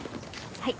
はい。